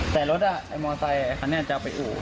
แต่รถอ่ะไอ้มอเตอร์ไซต์ไอ้คันนี้อาจจะเอาไปอู๋